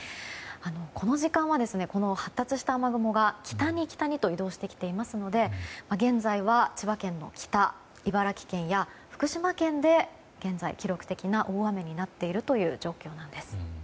この時間は、発達した雨雲が北に北にと移動していますので現在は千葉県の北茨城県や福島県で現在、記録的な大雨になっている状況なんです。